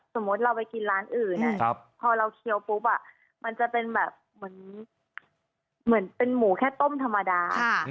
สมมุติเราไปกินร้านอื่นพอเราเคี้ยวปุ๊บมันจะเป็นแบบเหมือนเป็นหมูแค่ต้มธรรมดา